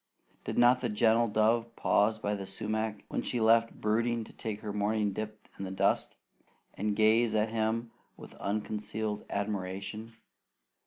Did not the gentle dove pause by the sumac, when she left brooding to take her morning dip in the dust, and gaze at him with unconcealed admiration?